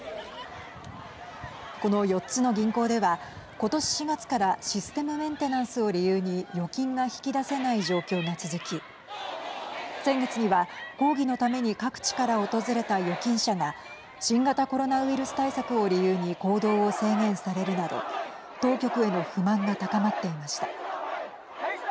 この４つの銀行ではことし４月からシステムメンテナンスを理由に預金が引き出せない状況が続き先月には抗議のために各地から訪れた預金者が新型コロナウイルス対策を理由に行動を制限されるなど当局への不満が高まっていました。